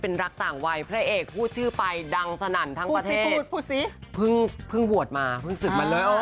โอ้ยดังมาก